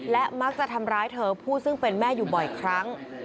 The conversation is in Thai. และมักจะทำร้ายเธอผู้ซึ่งเป็นแม่อยู่บ่อยครั้ง